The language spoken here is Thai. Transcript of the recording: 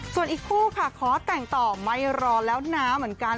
ส่วนอีกคู่ค่ะขอแต่งต่อไม่รอแล้วนะเหมือนกัน